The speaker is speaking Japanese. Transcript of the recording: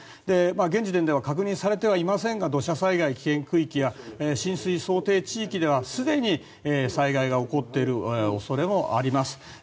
現時点では確認されてはいませんが土砂災害危険区域や浸水想定地域ではすでに災害が起こっている恐れもあります。